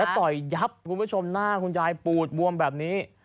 ต่อยยับคุณผู้ชมหน้าคุณยายปูดบวมแบบนี้